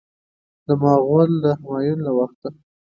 د مغول همایون له وخته.